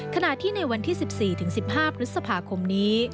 ขณะที่ในวันที่๑๔๑๕พฤษภาคมนี้